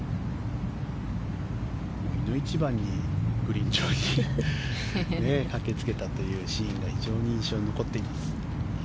１１番のグリーン上にね駆けつけたというシーンが非常に印象に残っています。